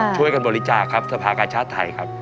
ช่วยกันบริจาค์ท่าภาคชาติไทยครับ